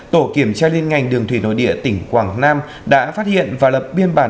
tổ kiểm tra liên ngành đường thủy nội địa tỉnh quảng nam đã phát hiện và lập biên bản